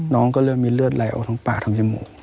น้องก็เริ่มมีเลือดไหลออกทั้งปากทั้งจมูก